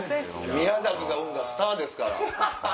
宮崎が生んだスターですから。